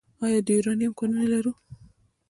آیا د یورانیم کانونه لرو؟